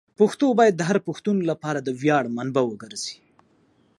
پښتو باید د هر پښتون لپاره د ویاړ منبع وګرځي.